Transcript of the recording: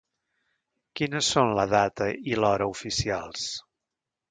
Quines són la data i l'hora oficials?